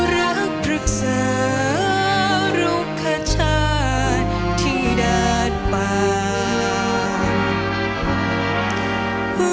รักพฤกษารุขชาติที่ดาดป่า